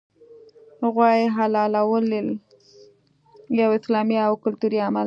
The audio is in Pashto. غوايي حلالول یو اسلامي او کلتوري عمل دی